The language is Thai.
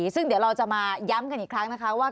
ซึ่งเดี๋ยวเราจะมาย้ำกันอีกครั้งนะคะว่า